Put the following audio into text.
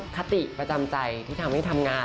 คติประจำใจที่ทำให้ทำงาน